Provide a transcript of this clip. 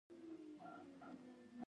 اول یې هغه ماشوم داره کورنۍ بوتله.